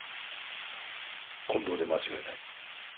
近藤で間違いない。